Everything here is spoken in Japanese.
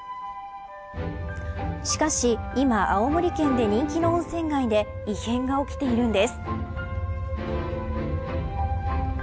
しかし今青森県で人気の温泉街で異変が起きているのです。